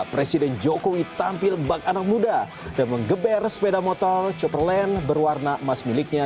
presiden jokowi tampil bak anak muda dan mengeber sepeda motor chopperland berwarna emas miliknya